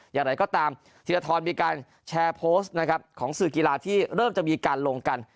อย่างไรก็ตามธีรทรมีการแชร์โพสต์นะครับของสื่อกีฬาที่เริ่มจะมีการลงกัน